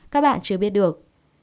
các bạn chưa biết được